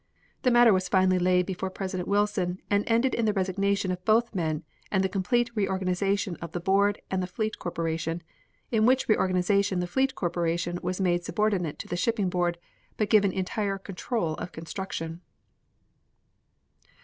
The matter was finally laid before President Wilson and ended in the resignation of both men and the complete reorganization of the board and the Fleet Corporation, in which reorganization the Fleet Corporation was made subordinate to the Shipping Board but given entire control of construction.